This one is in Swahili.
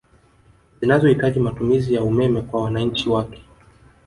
Zinazo hitaji matumizi ya umeme kwa wananchi wake